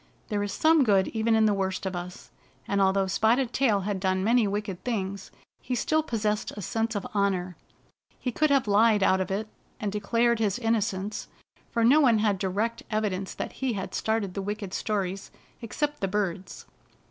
There is some good even in the worst of us, and although Spotted Tail had done many wicked things, he still possessed a sense of honor. He could have lied out of it, and declared his inno cence, for no one had direct evidence that he had started the wicked stories, except the birds.